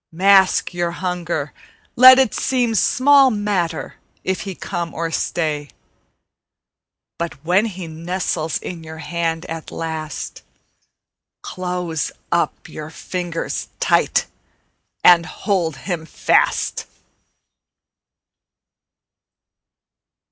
Mask your hunger; let it seem Small matter if he come or stay; But when he nestles in your hand at last, Close up your fingers tight and hold him fast.